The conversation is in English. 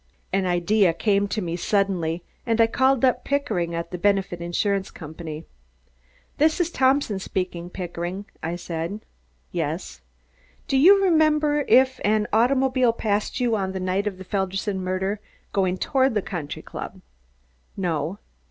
An idea came to me suddenly and I called Up Pickering at the Benefit Insurance Company. "This is Thompson speaking, Pickering," I said. "Yes." "Do you remember if an automobile passed you on the night of the Felderson murder, going toward the country club?" "No."